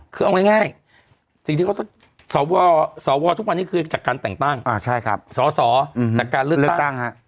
คือเอาง่ายสิ่งที่เขาสวทุกวันนี้คือจากการแต่งตั้งสอสอจากการเลือกตั้ง